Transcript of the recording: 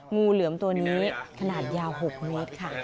งูเหลือมตัวนี้ขนาดยาว๖เมตรค่ะ